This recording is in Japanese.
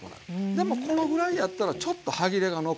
でもこのぐらいやったらちょっと歯切れが残る。